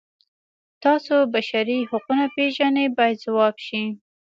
تاسو بشري حقونه پیژنئ باید ځواب شي.